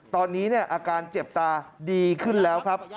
ตอนนี้อาการเจ็บตาดีขึ้นแล้วครับ